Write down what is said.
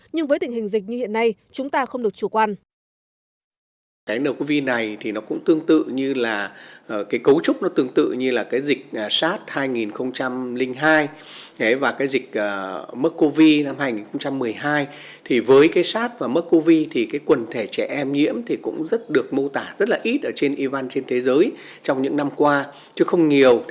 nhưng với tình hình dịch như hiện nay chúng ta không được chủ quan